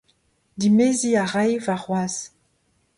Dimeziñ a ray warc'hoazh.